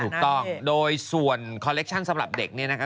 ถูกต้องโดยส่วนคอลเลคชั่นสำหรับเด็กเนี่ยนะคะ